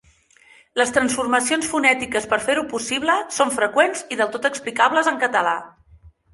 Les transformacions fonètiques per fer-ho possible són freqüents i del tot explicables en català.